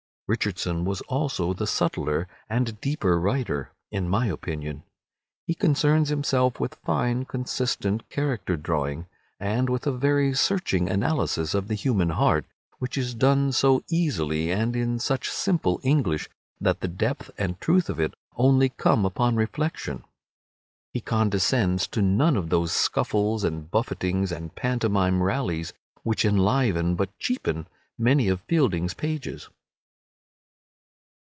Richardson was also the subtler and deeper writer, in my opinion. He concerns himself with fine consistent character drawing, and with a very searching analysis of the human heart, which is done so easily, and in such simple English, that the depth and truth of it only come upon reflection. He condescends to none of those scuffles and buffetings and pantomime rallies which enliven, but cheapen, many of Fielding's pages.